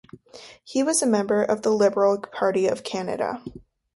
He was a member of the Liberal Party of Canada.